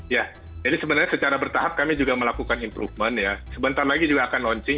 ya jadi sebenarnya secara bertahap kami juga melakukan improvement ya sebentar lagi juga akan launching